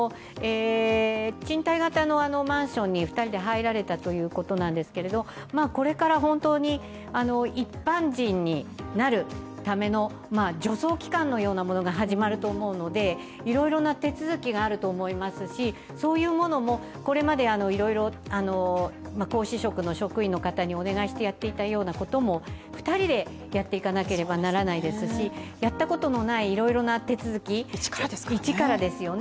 賃貸型のマンションに２人で入られたということですけれども、これから本当に、一般人になるための助走期間のようなものが始まると思うのでいろいろな手続きがあると思いますし、そういうものもこれまでいろいろ皇嗣職の職員の方にお願いしてやっていたようなものも、２人でやっていかなければなりませんしやったことのないいろいろな手続き、一からですよね。